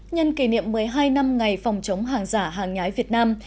nhân kỷ niệm một mươi hai năm ngày phòng chống hàng giả hàng nhái việt nam